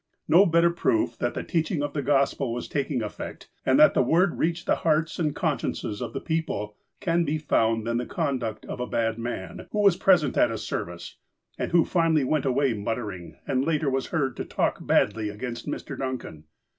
No better proof that the teaching of the Gospel was taking effect, and that the Word reached the hearts and consciences of the people, can be found than the conduct of a bad man, who was present at a service, and who finally went away muttering, and later was heard to "talk badly " against Mr. Duncan.